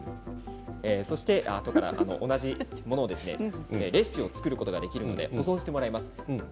あとから同じものを作るレシピを作ることができますので保存もしてもらいます。